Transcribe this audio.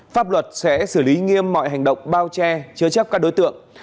pháp luật sẽ xử lý nghiêm mọi hành động bao che chứa chấp các đối tượng